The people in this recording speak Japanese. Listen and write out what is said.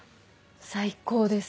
最高です。